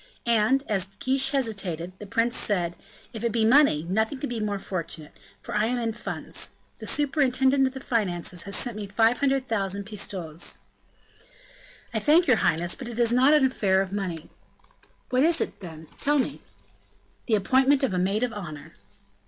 And, as Guiche hesitated, the prince said: "If it be money, nothing could be more fortunate, for I am in funds; the superintendent of the finances has sent me 500,000 pistoles." "I thank your highness; but is not an affair of money." "What is it, then? Tell me." "The appointment of a maid of honor."